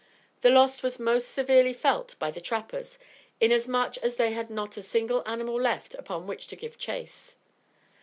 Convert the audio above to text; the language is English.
The loss was most severely felt by the trappers, inasmuch as they had not a single animal left upon which to give chase.